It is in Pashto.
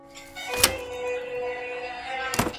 خلک دا خبره اوري.